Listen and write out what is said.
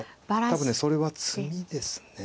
多分それは詰みですね。